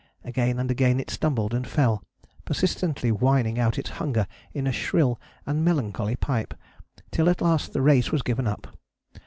Again and again it stumbled and fell, persistently whining out its hunger in a shrill and melancholy pipe, till at last the race was given up.